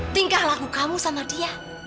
tingkah lagu kamu sama dia